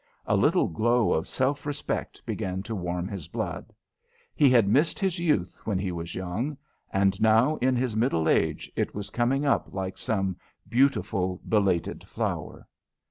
A little glow of self respect began to warm his blood. He had missed his youth when he was young, and now in his middle age it was coming up like some beautiful belated flower.